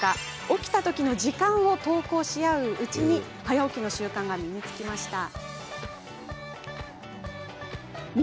起きたときの時間を投稿し合ううちに早起きの習慣が身につきました。